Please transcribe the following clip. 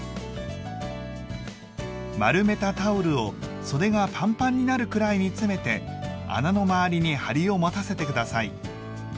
丸めたタオルを袖がパンパンになるくらいに詰めて穴の周りにハリを持たせて下さい。